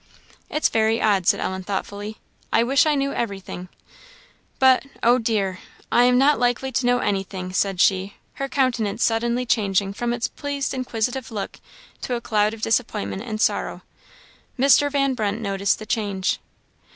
"It's very odd," said Ellen, thoughtfully "I wish I knew everything. But, O dear! I am not likely to know anything," said she, her countenance suddenly changing from its pleased inquisitive look to a cloud of disappointment and sorrow. Mr. Van Brunt noticed the change.